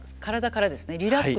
リラックスはい。